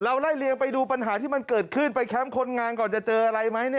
ไล่เลียงไปดูปัญหาที่มันเกิดขึ้นไปแคมป์คนงานก่อนจะเจออะไรไหม